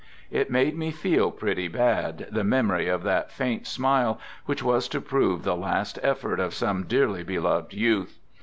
... j It made me feel pretty bad — the memory of that faint smile which was to prove the last effort of' some dearly beloved youth.